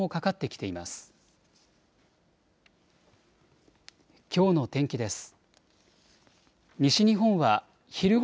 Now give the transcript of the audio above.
きょうの天気です。